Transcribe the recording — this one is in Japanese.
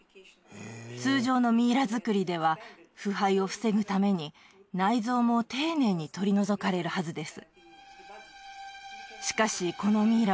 通常のミイラ作りでは腐敗を防ぐために内臓も丁寧に取り除かれるはずです。